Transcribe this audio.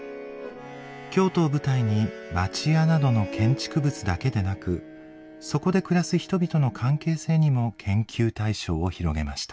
京都を舞台に町家などの建築物だけでなくそこで暮らす人々の関係性にも研究対象を広げました。